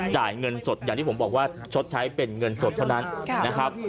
จ่ายเงินสดอย่างที่ผมบอกว่าชดใช้เป็นเงินสดเท่านั้นนะครับ